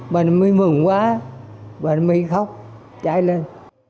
bà nam bi mừng quá bà nam bi khóc chạy lên